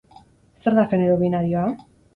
Zer da genero binarioa?